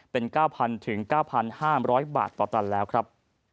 เป็น๙๐๐๙๕๐๐บาทต่อตันแล้วครับ